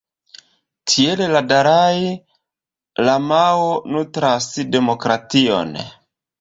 Tiel la dalai-lamao nutras demokration.